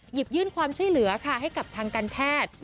หยิบยื่นความช่วยเหลือค่ะให้กับทางการแพทย์